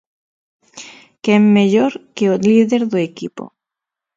Quen mellor que o líder do equipo.